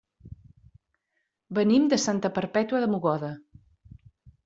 Venim de Santa Perpètua de Mogoda.